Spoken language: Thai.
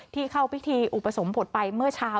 เข้าพิธีอุปสมบทไปเมื่อเช้า